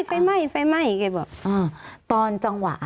ไฟไหม้ไฟไหม้แกบอกอ่าตอนจังหวะ